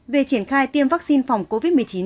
về triển khai tiêm vaccine phòng covid một mươi chín